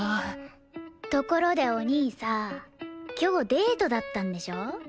ところでお兄さ今日デートだったんでしょ？